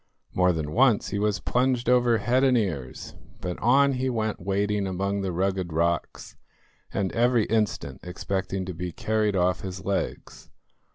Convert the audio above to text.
More than once he was plunged over head and ears, but on he went wading among the rugged rocks, and every instant expecting to be carried off his legs.